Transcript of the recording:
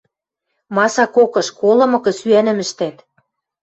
— Масакокыш: колымыкы, сӱӓнӹм ӹштӓт...